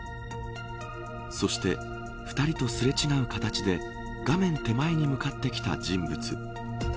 そして、２人とすれ違う形で画面手前に向かってきた人物。